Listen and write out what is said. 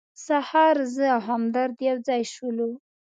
سهار زه او همدرد یو ځای شولو.